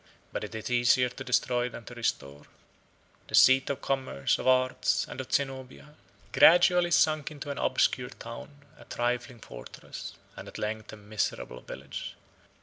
But it is easier to destroy than to restore. The seat of commerce, of arts, and of Zenobia, gradually sunk into an obscure town, a trifling fortress, and at length a miserable village.